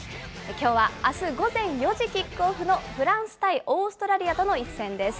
きょうはあす午前４時キックオフのフランス対オーストラリアの一戦です。